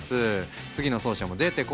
次の走者も出てこない。